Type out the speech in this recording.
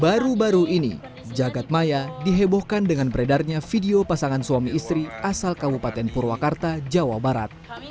baru baru ini jagadmaya dihebohkan dengan beredarnya video pasangan suami istri asal kabupaten purwakarta jawa barat